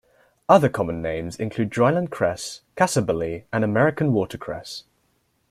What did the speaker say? Other common names include dryland cress, cassabully, and American watercress.